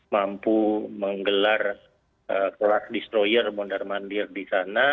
mampu menggelar kelar destroyer mondar mandir di sana